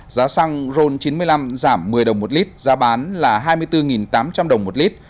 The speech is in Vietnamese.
giá xăng e năm tăng hai trăm chín mươi đồng một lit giá bán là hai mươi ba chín trăm một mươi đồng một lit